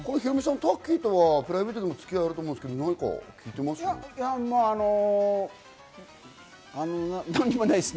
ヒロミさん、タッキーとはプライベートでも関係あると思いますが、何か聞いてます？